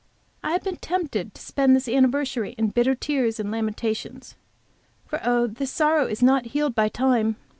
I have been tempted to spend this anniversary in bitter tears and lamentations. For oh, this sorrow is not healed by time!